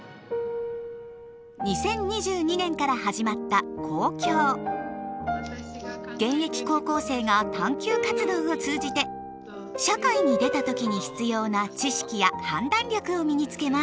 ２０２２年から始まった現役高校生が探究活動を通じて社会に出た時に必要な知識や判断力を身につけます。